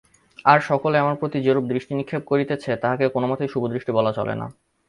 আর-সকলেই আমার প্রতি যেরূপ দৃষ্টিনিক্ষেপ করিতেছে তাহাকে কোনোমতেই শুভদৃষ্টি বলা চলে না।